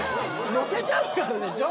のせちゃうからでしょ？